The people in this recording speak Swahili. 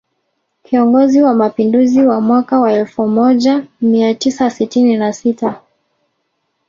Kiongozi wa mapinduzi wa mwaka wa elfu moja mia tisa sitini na sita